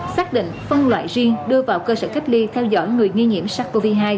xác định phân loại riêng đưa vào cơ sở cách ly theo dõi người nghi nhiễm sars cov hai